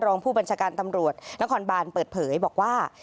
รองผู้บัญชาการตำรวจนครบานเปิดเผยบอกว่า